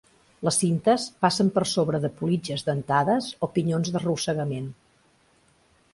Les cintes passen per sobre de politges dentades o pinyons d'arrossegament.